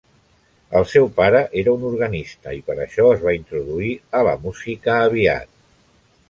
El seu pare era un organista, i per això es va introduir a la música aviat.